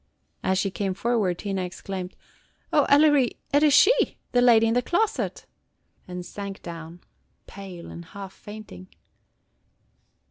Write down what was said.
As she came forward, Tina exclaimed, "O Ellery, it is she, – the lady in the closet!" and sank down pale and half fainting.